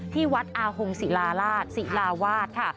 ที่วัดอาหงศิลาวาสค่ะ